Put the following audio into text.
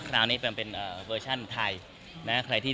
ก็ทำเป็นเวอร์ชั่นอนอ่วดี